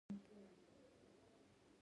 د ښخ شوي راز افشا کېدل خطرناک دي.